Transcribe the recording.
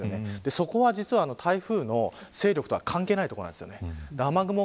そこは実は台風の勢力と関係ないところです。